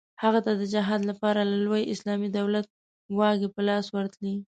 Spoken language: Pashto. هغه ته د جهاد لپاره د لوی اسلامي دولت واګې په لاس ورتلې.